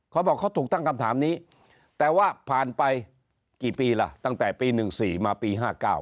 เขาบอกเขาถูกตั้งคำถามนี้แต่ว่าผ่านไปกี่ปีล่ะตั้งแต่ปี๑๔มาปี๕๙